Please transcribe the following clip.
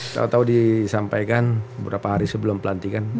tau tau disampaikan beberapa hari sebelum pelantikan